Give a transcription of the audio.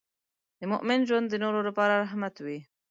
د مؤمن ژوند د نورو لپاره رحمت وي.